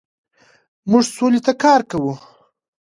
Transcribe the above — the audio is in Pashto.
موږ سولې ته کار کوو.